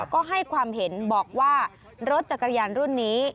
ก็ให้ความเห็นบอกว่ารถจักรยานรุ่นนี้